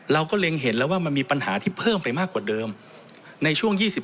เราก็เรียงเห็นแล้วว่ามันมีปัญหาที่เพิ่มไปมากกว่าเดิมในช่วงยี่สิบ